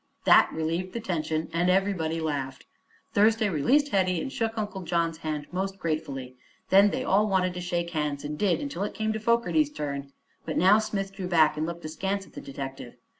That relieved the tension and everybody laughed. Thursday released Hetty and shook Uncle John's hand most gratefully. Then they all wanted to shake hands, and did until it came to Fogerty's turn. But now Smith drew back and looked askance at the detective.